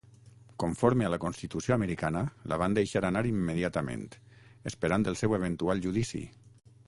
Conforme a la constitució americana, la van deixar anar immediatament, esperant el seu eventual judici.